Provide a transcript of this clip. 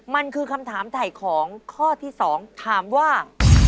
มันคือคำถามถ่ายของข้อที่๒ถามว่า